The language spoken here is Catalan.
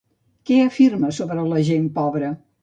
Què afirma sobre la gent pobra?